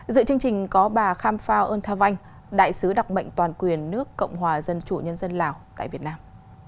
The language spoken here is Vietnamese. dựa chương trình có bà kham phao ơn tha vanh đại sứ đặc mệnh toàn quyền nước cộng hòa dân chủ nhân dân lào tại việt nam